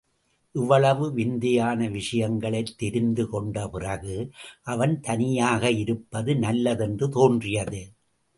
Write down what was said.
இவ்வளவு விந்தையான விஷயங்களைத் தெரிந்து கொண்ட பிறகு, அவன் தனியாக இருப்பது நல்லதென்று தோன்றியது.